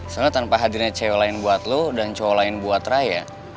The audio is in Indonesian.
soalnya tanpa hadirnya cewek lain buat lo dan cowok lain buat raya